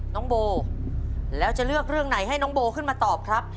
น้องโบแล้วจะเลือกเรื่องไหนให้น้องโบขึ้นมาตอบครับ